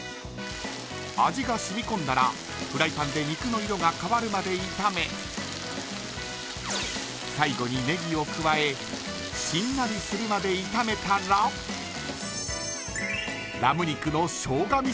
味がしみ込んだらフライパンで肉の色が変わるまで炒め最後にネギを加えしんなりするまで炒めたらラム肉のしょうが